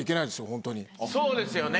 そうですよね！